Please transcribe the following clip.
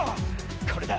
これだ！